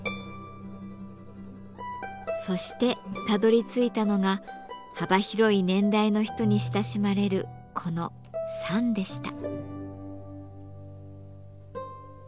そしてたどりついたのが幅広い年代の人に親しまれるこのサンでした。